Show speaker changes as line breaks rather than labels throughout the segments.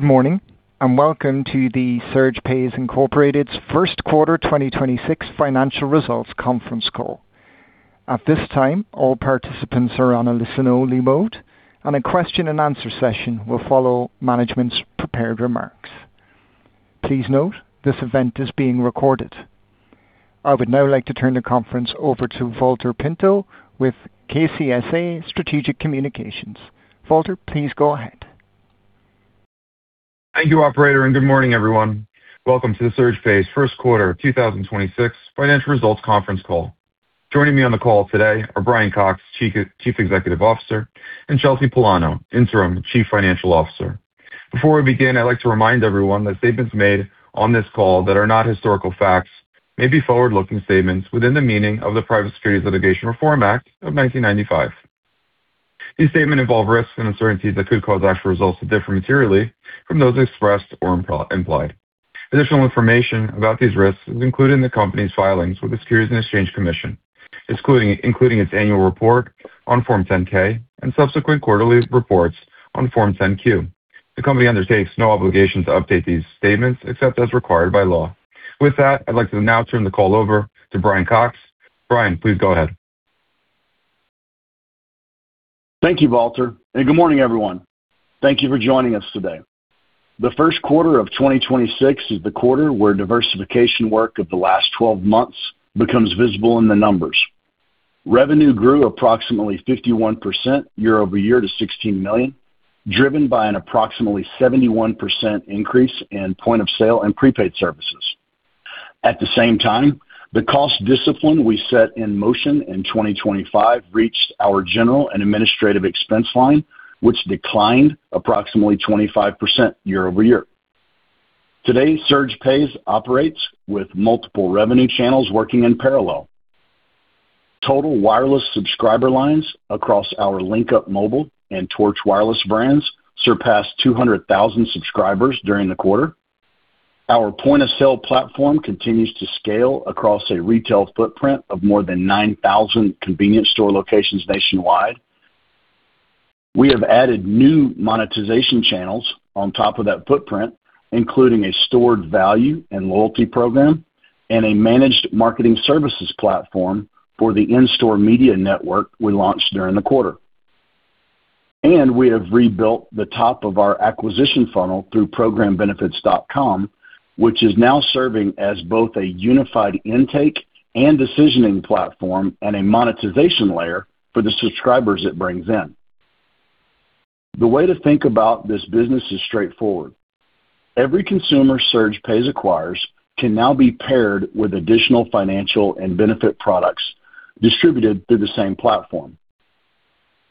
Good morning, welcome to the SurgePays Incorporated's first quarter 2026 financial results conference call. At this time, all participants are on a listen-only mode, and a question and answer session will follow management's prepared remarks. Please note, this event is being recorded. I would now like to turn the conference over to Valter Pinto with KCSA Strategic Communications. Valter, please go ahead.
Thank you, operator. Good morning, everyone. Welcome to the SurgePays first quarter 2026 financial results conference call. Joining me on the call today are Brian Cox, Chief Executive Officer, and Chelsea Pullano, Interim Chief Financial Officer. Before we begin, I'd like to remind everyone that statements made on this call that are not historical facts may be forward-looking statements within the meaning of the Private Securities Litigation Reform Act of 1995. These statements involve risks and uncertainties that could cause actual results to differ materially from those expressed or implied. Additional information about these risks is included in the company's filings with the Securities and Exchange Commission, including its annual report on Form 10-K and subsequent quarterly reports on Form 10-Q. The company undertakes no obligation to update these statements except as required by law. With that, I'd like to now turn the call over to Brian Cox. Brian, please go ahead.
Thank you, Valter, good morning, everyone. Thank you for joining us today. The first quarter of 2026 is the quarter where diversification work of the last 12 months becomes visible in the numbers. Revenue grew approximately 51% year-over-year to $16 million, driven by an approximately 71% increase in point-of-sale and prepaid services. At the same time, the cost discipline we set in motion in 2025 reached our general and administrative expense line, which declined approximately 25% year-over-year. Today, SurgePays operates with multiple revenue channels working in parallel. Total wireless subscriber lines across our LinkUp Mobile and Torch Wireless brands surpassed 200,000 subscribers during the quarter. Our point-of-sale platform continues to scale across a retail footprint of more than 9,000 convenience store locations nationwide. We have added new monetization channels on top of that footprint, including a stored value and loyalty program and a managed marketing services platform for the in-store media network we launched during the quarter. We have rebuilt the top of our acquisition funnel through ProgramBenefits.com, which is now serving as both a unified intake and decisioning platform and a monetization layer for the subscribers it brings in. The way to think about this business is straightforward. Every consumer SurgePays acquires can now be paired with additional financial and benefit products distributed through the same platform.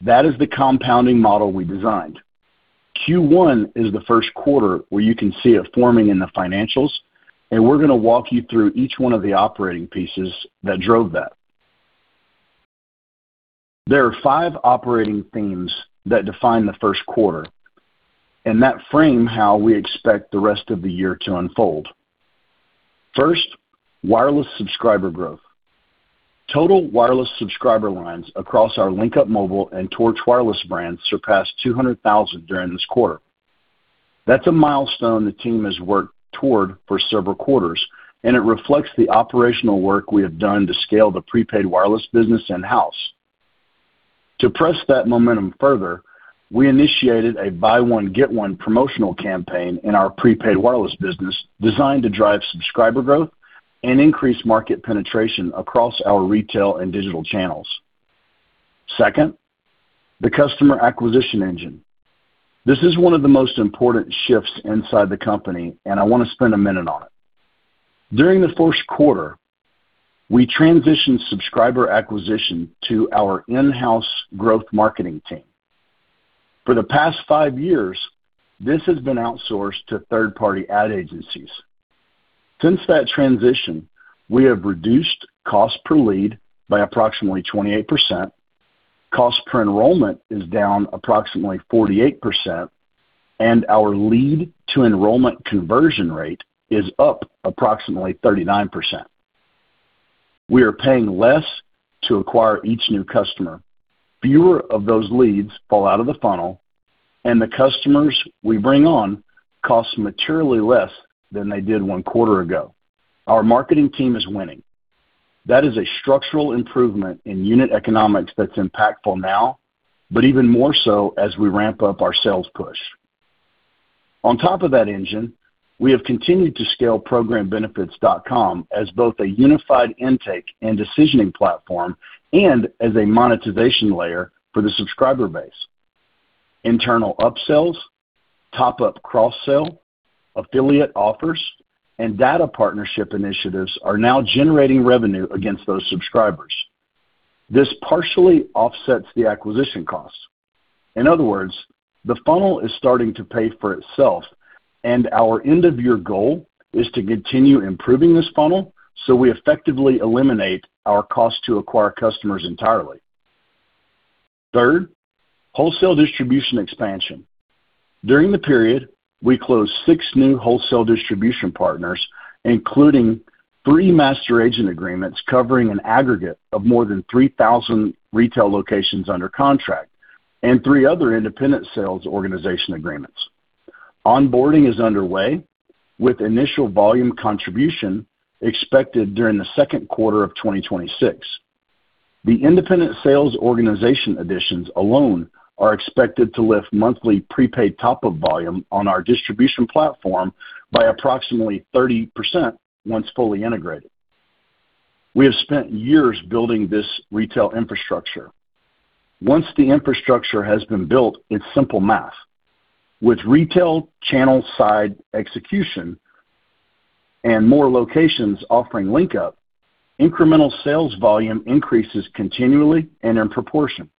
That is the compounding model we designed. Q1 is the first quarter where you can see it forming in the financials, and we're going to walk you through each one of the operating pieces that drove that. There are five operating themes that define the first quarter and that frame how we expect the rest of the year to unfold. First, wireless subscriber growth. Total wireless subscriber lines across our LinkUp Mobile and Torch Wireless brands surpassed 200,000 during this quarter. That's a milestone the team has worked toward for several quarters, and it reflects the operational work we have done to scale the prepaid wireless business in-house. To press that momentum further, we initiated a buy one, get one promotional campaign in our prepaid wireless business designed to drive subscriber growth and increase market penetration across our retail and digital channels. Second, the customer acquisition engine. This is one of the most important shifts inside the company, and I want to spend a minute on it. During the first quarter, we transitioned subscriber acquisition to our in-house growth marketing team. For the past five years, this has been outsourced to third-party ad agencies. Since that transition, we have reduced cost per lead by approximately 28%, cost per enrollment is down approximately 48%, and our lead-to-enrollment conversion rate is up approximately 39%. We are paying less to acquire each new customer. Fewer of those leads fall out of the funnel, and the customers we bring on cost materially less than they did one quarter ago. Our marketing team is winning. That is a structural improvement in unit economics that's impactful now, but even more so as we ramp up our sales push. On top of that engine, we have continued to scale ProgramBenefits.com as both a unified intake and decisioning platform and as a monetization layer for the subscriber base. Internal upsells, top-up cross-sell, affiliate offers, and data partnership initiatives are now generating revenue against those subscribers. This partially offsets the acquisition costs. In other words, the funnel is starting to pay for itself, and our end-of-year goal is to continue improving this funnel, so we effectively eliminate our cost to acquire customers entirely. Third, wholesale distribution expansion. During the period, we closed six new wholesale distribution partners, including three master agent agreements covering an aggregate of more than 3,000 retail locations under contract and three other independent sales organization agreements. Onboarding is underway, with initial volume contribution expected during the second quarter of 2026. The independent sales organization additions alone are expected to lift monthly prepaid top of volume on our distribution platform by approximately 30% once fully integrated. We have spent years building this retail infrastructure. Once the infrastructure has been built, it's simple math. With retail channel side execution and more locations offering LinkUp, incremental sales volume increases continually and in proportion.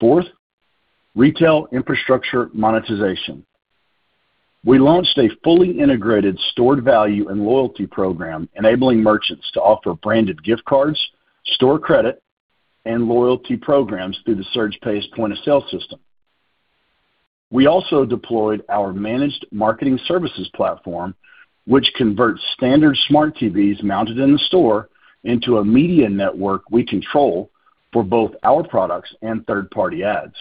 Fourth, retail infrastructure monetization. We launched a fully integrated stored value and loyalty program enabling merchants to offer branded gift cards, store credit, and loyalty programs through the SurgePays point-of-sale system. We also deployed our managed marketing services platform, which converts standard smart TVs mounted in the store into a media network we control for both our products and third-party ads.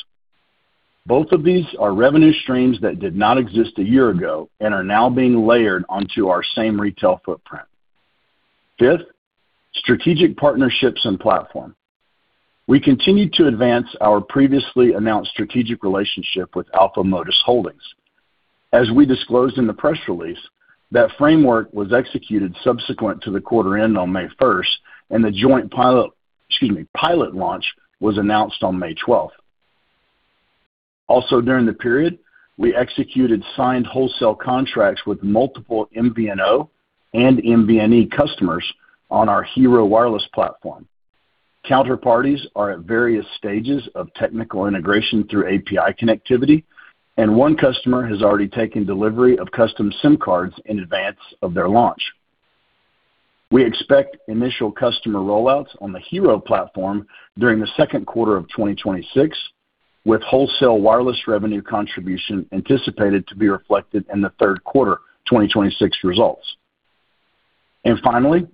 Both of these are revenue streams that did not exist a year ago and are now being layered onto our same retail footprint. Fifth, strategic partnerships and platform. We continued to advance our previously announced strategic relationship with Alpha Modus Holdings. As we disclosed in the press release, that framework was executed subsequent to the quarter end on May 1st, and the joint pilot launch was announced on May 12th. Also during the period, we executed signed wholesale contracts with multiple MVNO and MVNE customers on our HERO Wireless platform. Counterparties are at various stages of technical integration through API connectivity, and one customer has already taken delivery of custom SIM cards in advance of their launch. We expect initial customer rollouts on the HERO platform during the second quarter of 2026, with wholesale wireless revenue contribution anticipated to be reflected in the third quarter 2026 results. Finally,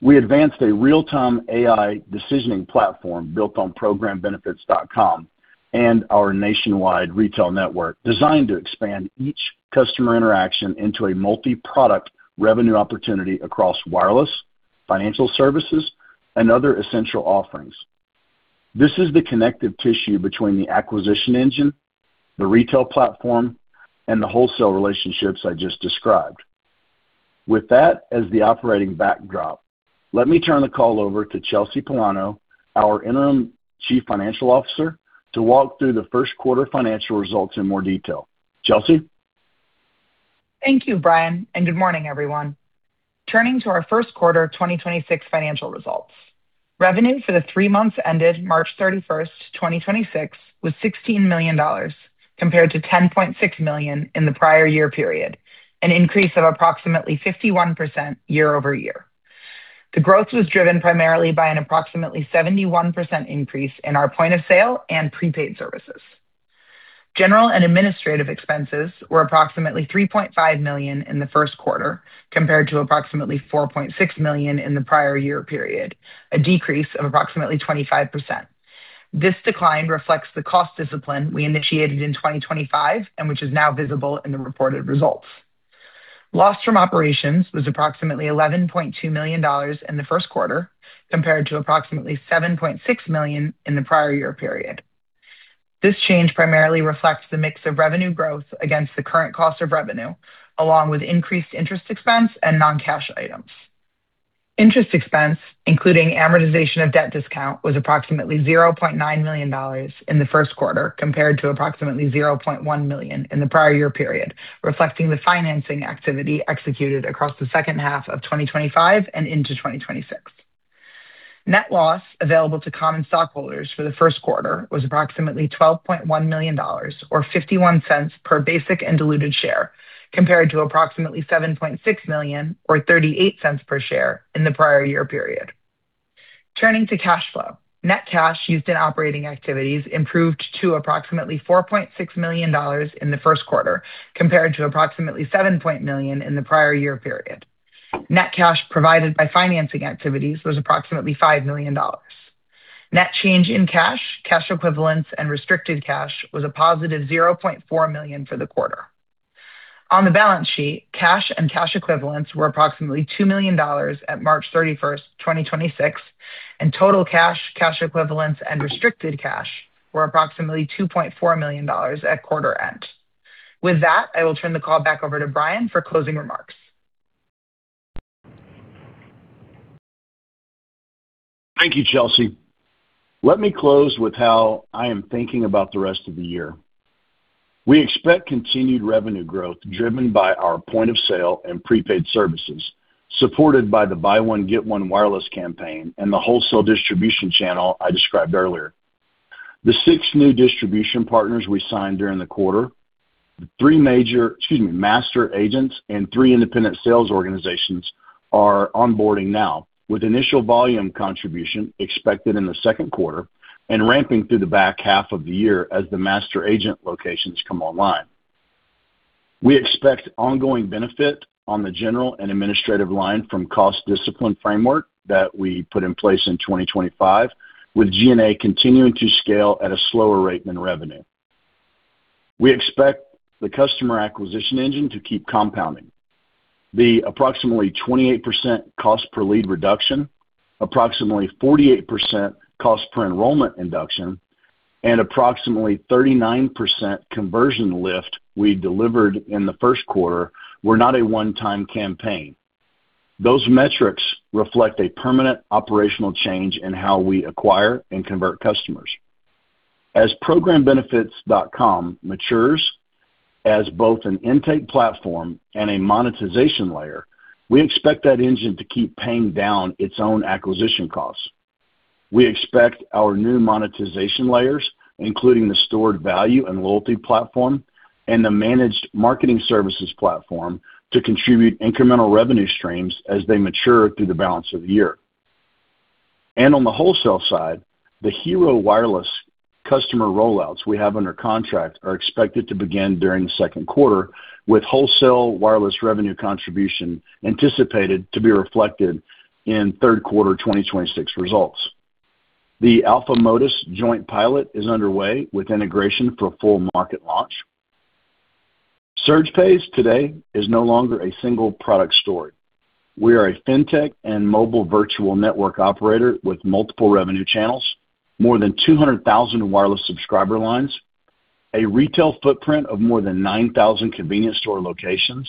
we advanced a real-time AI decisioning platform built on ProgramBenefits.com and our nationwide retail network designed to expand each customer interaction into a multi-product revenue opportunity across wireless, financial services, and other essential offerings. This is the connective tissue between the acquisition engine, the retail platform, and the wholesale relationships I just described. With that as the operating backdrop, let me turn the call over to Chelsea Pullano, our Interim Chief Financial Officer, to walk through the first quarter financial results in more detail. Chelsea.
Thank you, Brian, and good morning, everyone. Turning to our first quarter 2026 financial results. Revenue for the three months ended March 31st, 2026 was $16 million compared to $10.6 million in the prior year period, an increase of approximately 51% year-over-year. The growth was driven primarily by an approximately 71% increase in our point-of-sale and prepaid services. General and administrative expenses were approximately $3.5 million in the first quarter compared to approximately $4.6 million in the prior year period, a decrease of approximately 25%. This decline reflects the cost discipline we initiated in 2025 and which is now visible in the reported results. Loss from operations was approximately $11.2 million in the first quarter compared to approximately $7.6 million in the prior year period. This change primarily reflects the mix of revenue growth against the current cost of revenue, along with increased interest expense and non-cash items. Interest expense, including amortization of debt discount, was approximately $0.9 million in the first quarter compared to approximately $0.1 million in the prior year period, reflecting the financing activity executed across the second half of 2025 and into 2026. Net loss available to common stockholders for the first quarter was approximately $12.1 million or $0.51 per basic and diluted share, compared to approximately $7.6 million or $0.38 per share in the prior year period. Turning to cash flow. Net cash used in operating activities improved to approximately $4.6 million in the first quarter compared to approximately $7.0 million in the prior year period. Net cash provided by financing activities was approximately $5 million. Net change in cash equivalents and restricted cash was a +$0.4 million for the quarter. On the balance sheet, cash and cash equivalents were approximately $2 million at March 31st, 2026, and total cash equivalents and restricted cash were approximately $2.4 million at quarter end. With that, I will turn the call back over to Brian for closing remarks.
Thank you, Chelsea. Let me close with how I am thinking about the rest of the year. We expect continued revenue growth driven by our point of sale and prepaid services, supported by the buy one get one wireless campaign and the wholesale distribution channel I described earlier. The six new distribution partners we signed during the quarter, the three major, excuse me, master agents and three independent sales organizations are onboarding now, with initial volume contribution expected in the second quarter and ramping through the back half of the year as the master agent locations come online. We expect ongoing benefit on the general and administrative line from cost discipline framework that we put in place in 2025, with G&A continuing to scale at a slower rate than revenue. We expect the customer acquisition engine to keep compounding. The approximately 28% cost per lead reduction, approximately 48% cost per enrollment induction, and approximately 39% conversion lift we delivered in the first quarter were not a one-time campaign. Those metrics reflect a permanent operational change in how we acquire and convert customers. As ProgramBenefits.com matures as both an intake platform and a monetization layer, we expect that engine to keep paying down its own acquisition costs. We expect our new monetization layers, including the stored value and loyalty platform and the managed marketing services platform, to contribute incremental revenue streams as they mature through the balance of the year. On the wholesale side, the HERO Wireless customer rollouts we have under contract are expected to begin during the second quarter, with wholesale wireless revenue contribution anticipated to be reflected in third quarter 2026 results. The Alpha Modus joint pilot is underway with integration for full market launch. SurgePays today is no longer a single product story. We are a fintech and mobile virtual network operator with multiple revenue channels, more than 200,000 wireless subscriber lines, a retail footprint of more than 9,000 convenience store locations,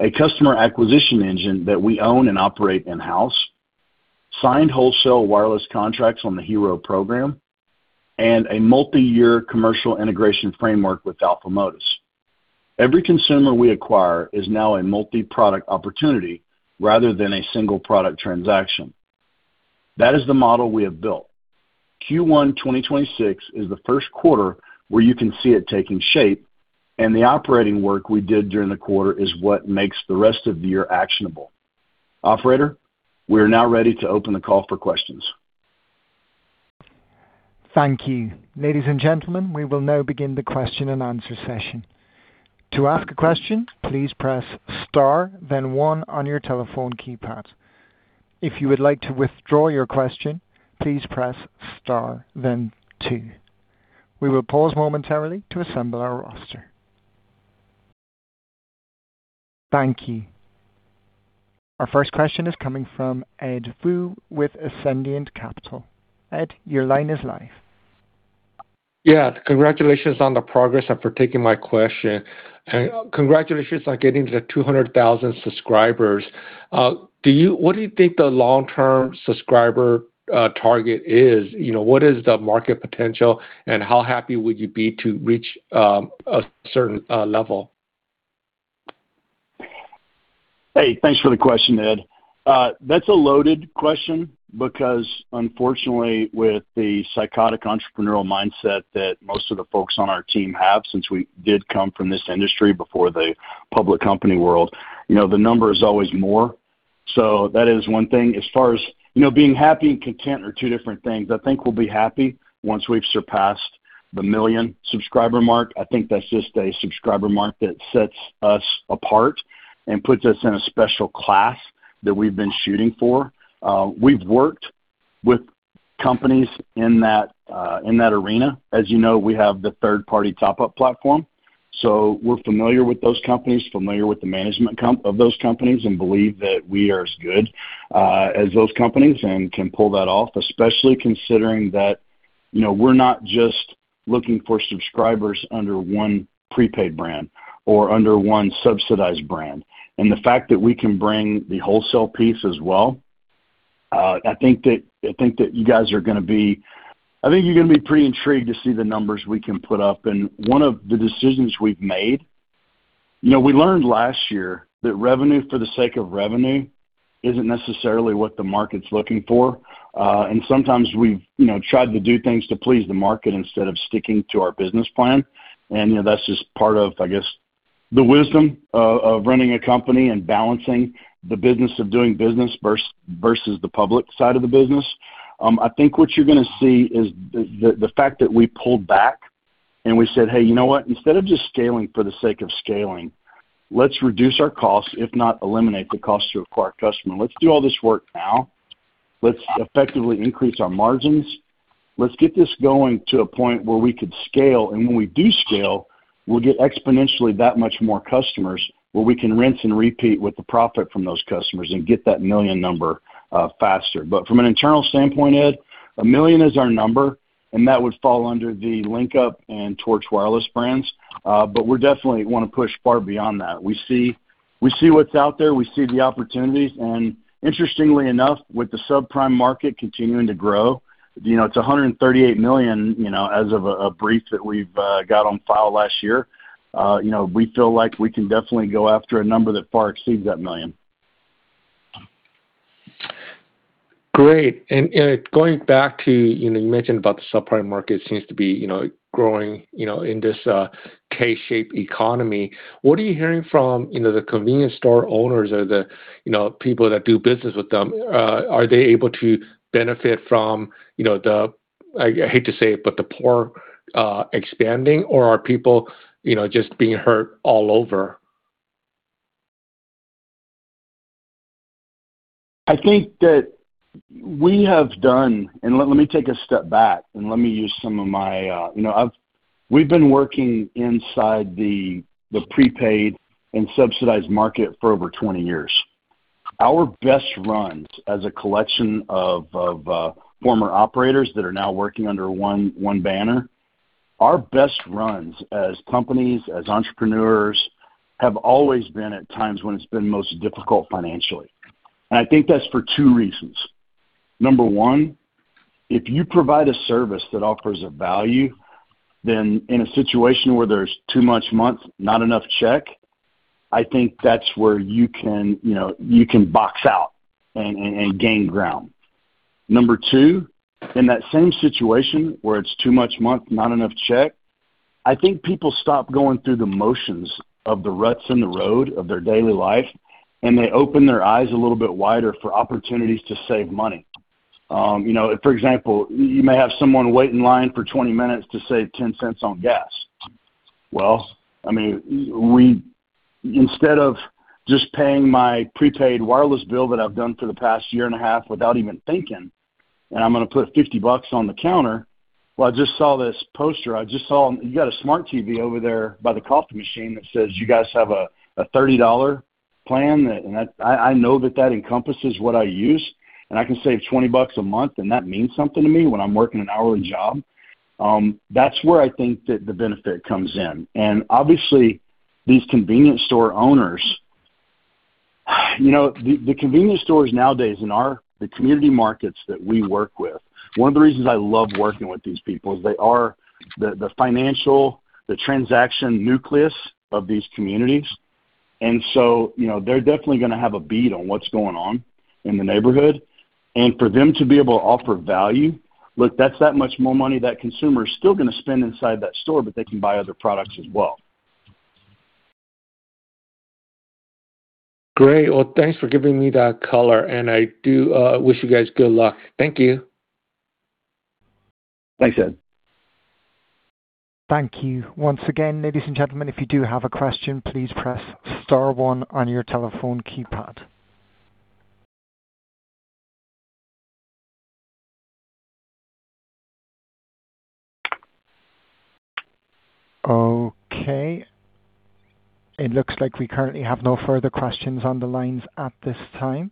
a customer acquisition engine that we own and operate in-house, signed wholesale wireless contracts on the HERO program, and a multi-year commercial integration framework with Alpha Modus. Every consumer we acquire is now a multi-product opportunity rather than a single product transaction. That is the model we have built. Q1 2026 is the first quarter where you can see it taking shape, and the operating work we did during the quarter is what makes the rest of the year actionable. Operator, we are now ready to open the call for questions.
Thank you. Ladies and gentlemen, we will now begin the question and answer session. To ask a question, please press star then one on your telephone keypad. If you would like to withdraw your question, please press star then two. We will pause momentarily to assemble our roster. Thank you. Our first question is coming from Ed Woo with Ascendiant Capital. Ed, your line is live.
Yeah. Congratulations on the progress and for taking my question. Congratulations on getting to the 200,000 subscribers. What do you think the long-term subscriber target is? You know, what is the market potential, and how happy would you be to reach a certain level?
Hey, thanks for the question, Ed. That's a loaded question because unfortunately, with the psychotic entrepreneurial mindset that most of the folks on our team have since we did come from this industry before the public company world, you know, the number is always more. That is one thing. As far as, you know, being happy and content are two different things. I think we'll be happy once we've surpassed the 1 million subscriber mark. I think that's just a subscriber mark that sets us apart and puts us in a special class that we've been shooting for. We've worked with companies in that in that arena. As you know, we have the third-party top-up platform. We're familiar with those companies, familiar with the management of those companies, and believe that we are as good as those companies and can pull that off, especially considering that, you know, we're not just looking for subscribers under one prepaid brand or under one subsidized brand. The fact that we can bring the wholesale piece as well, I think that you're gonna be pretty intrigued to see the numbers we can put up. One of the decisions we've made, you know, we learned last year that revenue for the sake of revenue isn't necessarily what the market's looking for. Sometimes we've, you know, tried to do things to please the market instead of sticking to our business plan. You know, that's just part of, I guess, the wisdom of running a company and balancing the business of doing business versus the public side of the business. I think what you're gonna see is the fact that we pulled back and we said, "Hey, you know what? Instead of just scaling for the sake of scaling, let's reduce our costs, if not eliminate the cost to acquire customer. Let's do all this work now. Let's effectively increase our margins. Let's get this going to a point where we could scale. When we do scale, we'll get exponentially that much more customers where we can rinse and repeat with the profit from those customers and get that 1 million number faster." From an internal standpoint, Ed, 1 million is our number, and that would fall under the LinkUp and Torch Wireless brands. We definitely wanna push far beyond that. We see what's out there, we see the opportunities. Interestingly enough, with the subprime market continuing to grow, you know, it's $138 million, you know, as of a brief that we've got on file last year. You know, we feel like we can definitely go after a number that far exceeds that $1 million.
Great. Going back to, you know, you mentioned about the subprime market seems to be, you know, growing, you know, in this K-shaped economy. What are you hearing from, you know, the convenience store owners or the, you know, people that do business with them? Are they able to benefit from, you know, I hate to say it, but the poor expanding or are people, you know, just being hurt all over?
Let me take a step back and let me use some of my. You know, we've been working inside the prepaid and subsidized market for over 20 years. Our best runs as a collection of former operators that are now working under one banner, our best runs as companies, as entrepreneurs, have always been at times when it's been most difficult financially. I think that's for two reasons. Number one, if you provide a service that offers a value, then in a situation where there's too much month, not enough check, I think that's where you can, you know, you can box out and gain ground. Number two, in that same situation where it's too much month, not enough check, I think people stop going through the motions of the ruts in the road of their daily life, and they open their eyes a little bit wider for opportunities to save money. You know, for example, you may have someone wait in line for 20 minutes to save $0.10 on gas. Well, I mean, instead of just paying my prepaid wireless bill that I've done for the past year and a half without even thinking, and I'm gonna put $50 on the counter. Well, I just saw this poster. I just saw you got a smart TV over there by the coffee machine that says you guys have a $30 plan that. I know that that encompasses what I use, and I can save $20 a month, and that means something to me when I'm working an hourly job. That's where I think that the benefit comes in. Obviously, these convenience store owners, you know, the convenience stores nowadays in our the community markets that we work with, one of the reasons I love working with these people is they are the financial, the transaction nucleus of these communities. You know, they're definitely gonna have a beat on what's going on in the neighborhood. For them to be able to offer value, look, that's that much more money that consumer is still gonna spend inside that store, but they can buy other products as well.
Great. Well, thanks for giving me that color, and I do wish you guys good luck. Thank you.
Thanks, Ed.
Thank you. Once again, ladies and gentlemen, if you do have a question, please press star one on your telephone keypad. Okay. It looks like we currently have no further questions on the lines at this time,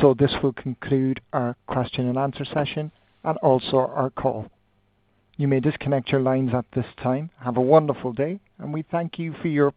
so this will conclude our question and answer session and also our call. You may disconnect your lines at this time. Have a wonderful day, and we thank you for your participation.